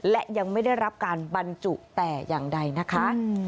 และยังไม่ได้รับการบรรจุแต่อย่างใดนะคะ